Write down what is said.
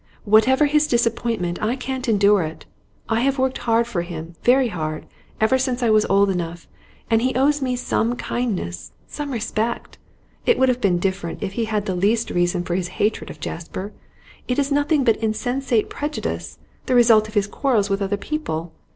'Whatever his disappointment, I can't endure it. I have worked hard for him, very hard, ever since I was old enough, and he owes me some kindness, some respect. It would be different if he had the least reason for his hatred of Jasper. It is nothing but insensate prejudice, the result of his quarrels with other people.